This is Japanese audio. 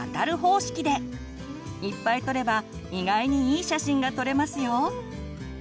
いっぱい撮れば意外にいい写真が撮れますよ！